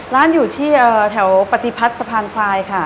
ร้านอยู่ที่แถวปฏิพัฒน์สะพานควายค่ะ